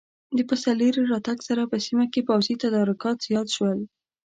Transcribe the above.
د پسرلي له راتګ سره په سیمه کې پوځي تدارکات زیات شول.